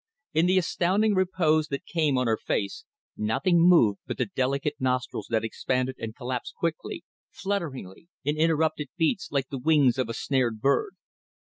In the astounding repose that came on her face, nothing moved but the delicate nostrils that expanded and collapsed quickly, flutteringly, in interrupted beats, like the wings of a snared bird.